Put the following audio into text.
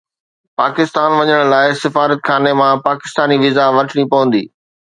پاڪستان وڃڻ لاءِ سفارتخاني مان پاڪستاني ويزا وٺڻي پوندي